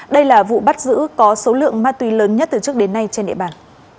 đây là vụ bắt giữ có số lượng ma túy lớn nhất từ trước đến nay trên địa bàn